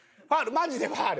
マジでファウル！